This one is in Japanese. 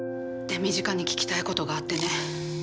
手短に聞きたいことがあってね。